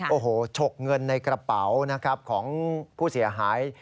โอ้โหชกเงินในกระเป๋าของผู้เสียหาย